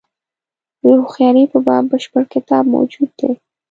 د هوښیاري په باب بشپړ کتاب موجود دی.